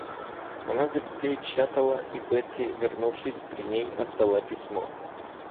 Она запечатала, и Бетси, вернувшись, при ней отдала письмо.